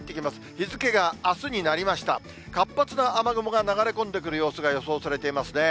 日付があすになりました、活発な雨雲が流れ込んでくる様子が予想されていますね。